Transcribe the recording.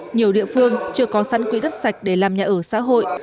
nhiều địa phương chưa có sẵn quỹ đất sạch để làm nhà ở xã hội